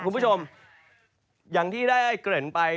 คุณผู้ชมอย่างที่ได้เกริ่นไป